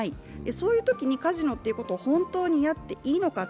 そういうときにカジノっていうことを本当にやっていいのか。